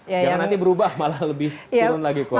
jangan nanti berubah malah lebih turun lagi ke uang